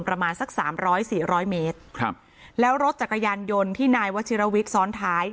ประมาณสักสามร้อยสี่ร้อยเมตรครับแล้วรถจักรยานยนต์ที่นายวัชิรวิทย์ซ้อนท้าย